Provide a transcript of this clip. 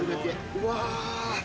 うわ。